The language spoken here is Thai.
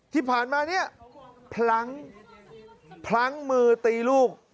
ที่ผ่านมาเนี่ยพลั้งพลั้งมือตีลูก